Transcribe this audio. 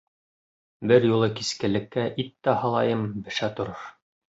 Бер юлы кискелеккә ит тә һалайым, бешә торор.